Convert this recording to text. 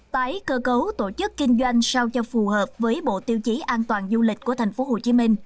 tái cơ cấu tổ chức kinh doanh sao cho phù hợp với bộ tiêu chí an toàn du lịch của tp hcm